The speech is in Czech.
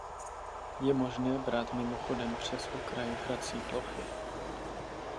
Je možné brát mimochodem přes okraj hrací plochy.